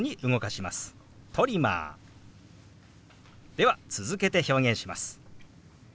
では続けて表現します。